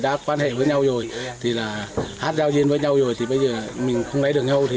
đã quan hệ với nhau rồi thì là hát giao duyên với nhau rồi thì bây giờ mình không lấy được nhau thì